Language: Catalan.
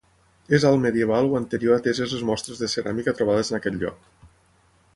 És altmedieval o anterior ateses les mostres de ceràmica trobades en aquest lloc.